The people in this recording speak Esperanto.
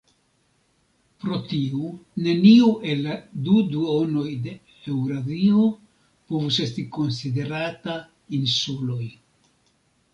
Pro tiu neniu el la du duonoj de Eŭrazio povus esti konsiderata insuloj.